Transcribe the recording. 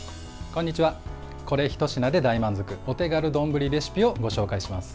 これひと品で大満足お手軽丼レシピをご紹介します。